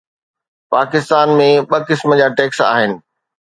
پاڪستان ۾ ٻه قسم جا ٽيڪس آهن.